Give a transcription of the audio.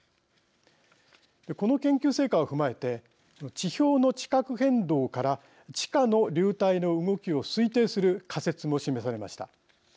この研究成果を踏まえて地表の地殻変動から地下の流体の動きを推定する仮説も示されました。